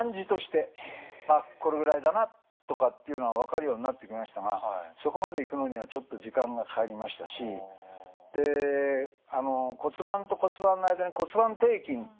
あっこのぐらいだなとかっていうのが分かるようになってきましたがそこまでいくのにはちょっと時間がかかりましたしで骨盤と骨盤の間に骨盤底筋っていうのがあってね